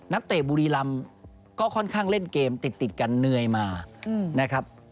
เตะบุรีรำก็ค่อนข้างเล่นเกมติดกันเหนื่อยมานะครับ